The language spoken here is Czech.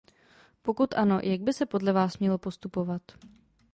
Pokud ano, jak by se podle vás mělo postupovat?